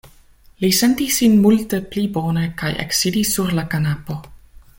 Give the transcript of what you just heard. Li sentis sin multe pli bone kaj eksidis sur la kanapo.